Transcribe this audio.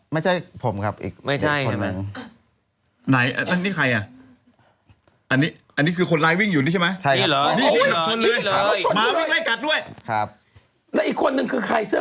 ไม่ใช่ผมครับมีอีกหนึ่งคน